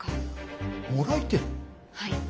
はい。